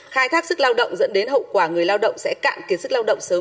khai thác sức lao động dẫn đến hậu quả người lao động sẽ cạn kiệt sức lao động sớm